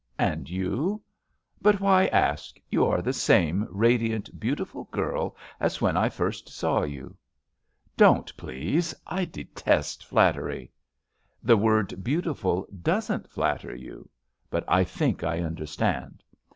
And you ?— but why ask I You are the same radiant, beautiful girl as when I first saw you." "Don't, please. I detest flattery." "The word ^beautiful' doesn't flatter you. But I think I understand.